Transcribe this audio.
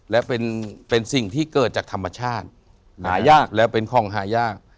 และเป็นสิ่งที่เกิดจากธรรมชาติหายากและเป็นของหายาก